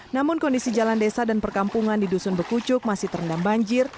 namun kondisi jalan desa dan perkampungan di dusun bekucuk masih terendam banjir